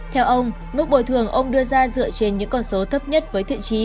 theo ông mức bồi thường ông đưa ra dựa trên những con số thấp nhất với thiện trí